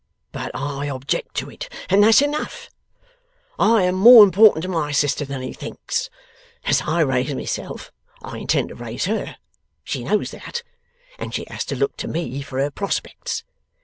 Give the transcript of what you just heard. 'But I object to it, and that's enough. I am more important to my sister than he thinks. As I raise myself, I intend to raise her; she knows that, and she has to look to me for her prospects.